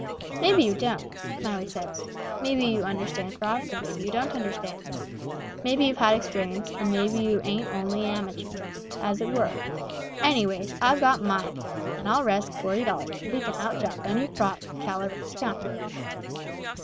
"Maybe you don't," Smiley says. "Maybe you understand frogs and maybe you don't understand 'em; maybe you've had experience, and maybe you ain't only a amature, as it were. Anyways, I've got my opinion, and I'll resk forty dollars that he can outjump any frog in Calaveras County."